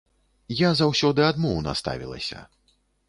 Я заўсёды адмоўна ставілася.